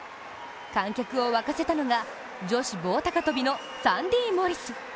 観客を沸かせたのが女子棒高跳びのサンディ・モリス。